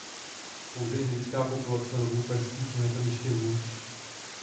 Pouze indická populace lvů perských je na tom ještě hůř.